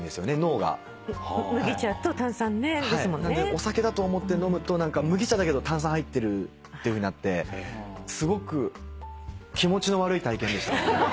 お酒だと思って飲むと何か麦茶だけど炭酸入ってるっていうふうになってすごく気持ちの悪い体験でした。